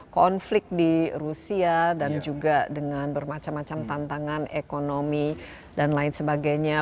konflik di rusia dan juga dengan bermacam macam tantangan ekonomi dan lain sebagainya